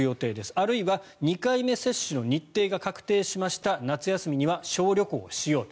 あるいは２回目接種の日程が確定しました夏休みには小旅行をしようと。